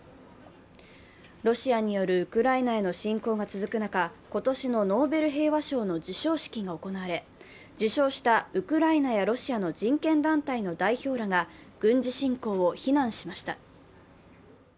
ロシアによるウクライナへの侵攻が続く中、今年のノーベル平和賞の授賞式が行われ受賞したウクライナやロシアの人権団体の代表らが軍事侵攻を非難しました。